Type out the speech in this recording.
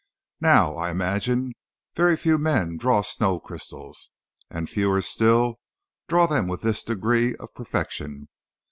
Now, I imagine, very few men draw snow crystals, and fewer still, draw them with this degree of perfection.